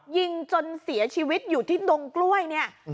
ยิงจนเสียชีวิตอยู่ที่ดงกล้วยเนี่ย